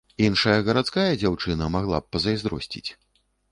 Іншая гарадская дзяўчына магла б пазайздросціць.